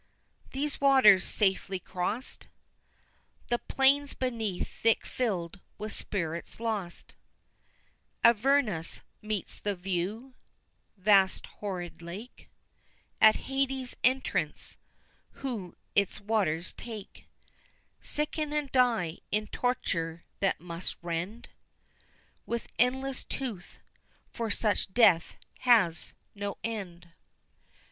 These waters safely crossed, The plains beneath thick filled with spirits lost, Avernus meets the view, vast, horrid lake At Hades' entrance; who its waters take, Sicken and die in torture that must rend With endless tooth, for such death has no end.